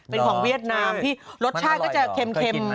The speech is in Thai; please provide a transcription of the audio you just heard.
เป็นของเวียดนามที่รสชาติก็จะเค็ม